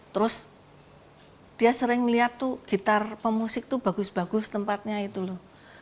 terus dia sering melihat tuh gitar pemusik tuh bagus bagus tempatnya itu loh